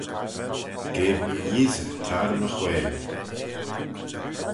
Geam Yeesey tar my whail.